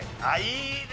いいね！